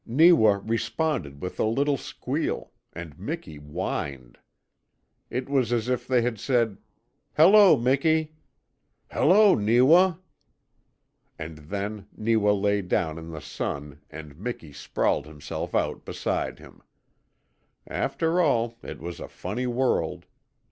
Neewa responded with a little squeal, and Miki whined. It was as if they had said, "Hello, Miki!" "Hello, Neewa!" And then Neewa lay down in the sun and Miki sprawled himself out beside him. After all, it was a funny world.